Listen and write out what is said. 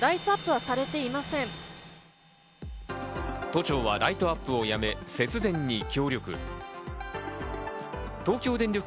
都庁はライトアップをやめ、節電に協力。